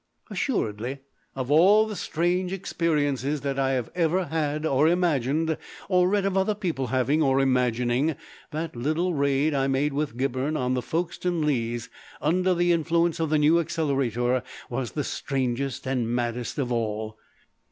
Assuredly of all the strange experiences that I have ever had, or imagined, or read of other people having or imagining, that little raid I made with Gibberne on the Folkestone Leas, under the influence of the New Accelerator, was the strangest and maddest of all.